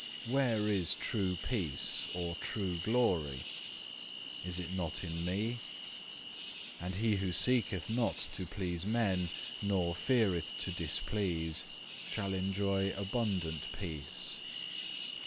Where is true peace or true glory? Is it not in Me? And he who seeketh not to please men, nor feareth to displease, shall enjoy abundant peace.